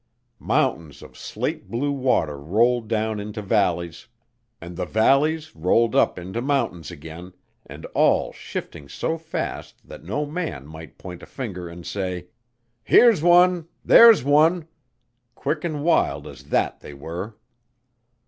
Mountains of slate blue water rolled down into valleys, and the valleys rolled up into mountains again, and all shifting so fast that no man might point a finger and say, "Here's one, there's one!" quick and wild as that they were.